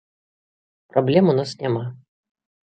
Праблем у нас няма.